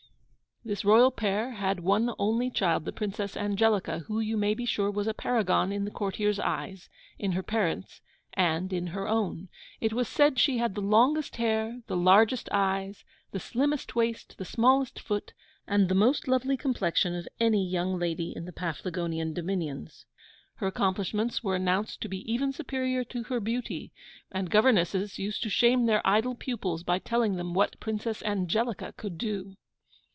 This royal pair had one only child, the Princess Angelica, who, you may be sure, was a paragon in the courtiers' eyes, in her parents', and in her own. It was said she had the longest hair, the largest eyes, the slimmest waist, the smallest foot, and the most lovely complexion of any young lady in the Paflagonian dominions. Her accomplishments were announced to be even superior to her beauty; and governesses used to shame their idle pupils by telling them what Princess Angelica could do.